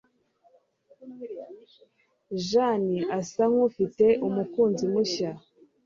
Jane asa nkufite umukunzi mushya.